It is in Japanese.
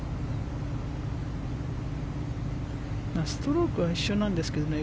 ストロークは一緒なんですけどね